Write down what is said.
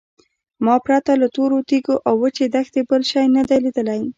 ما پرته له تورو تیږو او وچې دښتې بل شی نه دی لیدلی.